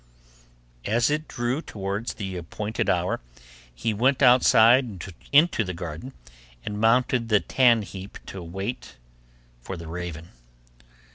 As it drew towards the appointed hour, he went outside into the garden and mounted the tan heap to await the raven.